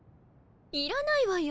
いらないわよ